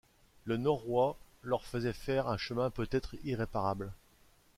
Le noroit leur faisait faire un chemin peut-être irréparable.